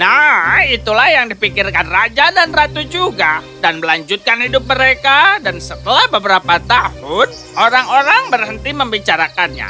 nah itulah yang dipikirkan raja dan ratu juga dan melanjutkan hidup mereka dan setelah beberapa tahun orang orang berhenti membicarakannya